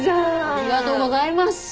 ありがとうございます。